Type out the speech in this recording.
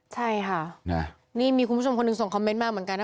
ใช่ค่ะนี่มีคุณผู้ชมคนหนึ่งส่งคอมเมนต์มาเหมือนกันนะ